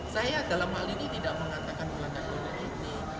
saya dalam hal ini tidak mengatakan melanggar kode etik